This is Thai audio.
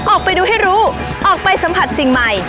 ออกไปดูให้รู้ออกไปสัมผัสสิ่งใหม่